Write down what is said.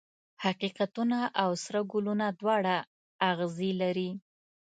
حقیقتونه او سره ګلونه دواړه اغزي لري.